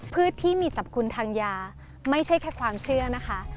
พื้นที่มีสรรพคุณทางยาไม่ใช่แค่ความเชื่อนะคะ